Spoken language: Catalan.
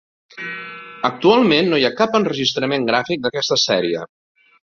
Actualment no hi ha cap enregistrament gràfic d'aquesta sèrie.